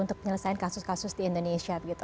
untuk penyelesaian kasus kasus di indonesia